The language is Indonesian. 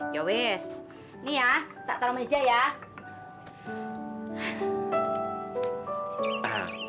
yowes nih ya tak taruh meja ya